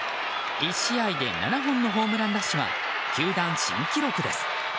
１試合で７本のホームランラッシュは球団新記録です。